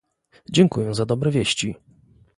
Dziękuję za dobre wieści